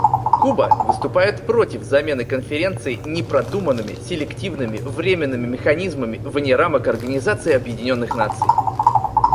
Куба выступает против замены Конференции непродуманными, селективными, временными механизмами вне рамок Организации Объединенных Наций.